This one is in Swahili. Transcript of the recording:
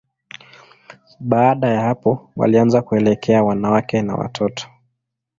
Baada ya hapo, walianza kuelekea wanawake na watoto.